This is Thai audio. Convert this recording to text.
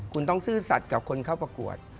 คุณต้องซื่อสัตว์กับคนเข้าประกวด